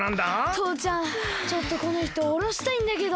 とうちゃんちょっとこのひとおろしたいんだけど。